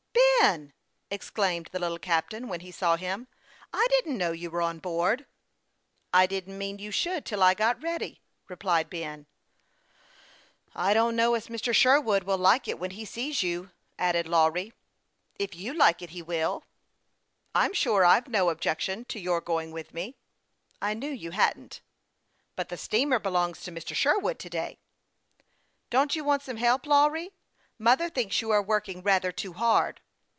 " Ben !" exclaimed the little captain, when he saw him. " I didn't know you were on board." THE YOUNG PILOT OF LAKE CHAMPLAIN. 263 " I didn't mean you should till I got ready," re plied Ben, with a conciliatory smile. " I don't know as Mr. Sherwood will like it when he sees you," added Lawry. " If you like it, he will." " I'm sure I've no objection to your going with me." " I knew you hadn't." " But the steamer belongs to Mr. Sherwood to day." " Don't you want some help, Lawry ? Mother thinks you are working rather too hard."